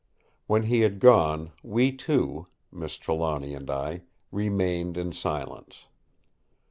When he had gone, we two, Miss Trelawny and I, remained in silence.